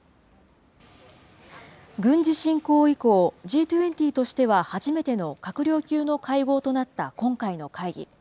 軍事侵攻以降、Ｇ２０としては初めての閣僚級の会合となった今回の会議。